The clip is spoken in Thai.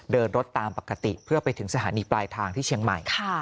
เดินรถตามปกติเพื่อไปถึงสถานีปลายทางที่เชียงใหม่